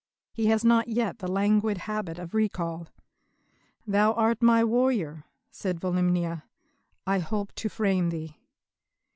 He has not yet the languid habit of recall. "Thou art my warrior," said Volumnia. "I holp to frame thee."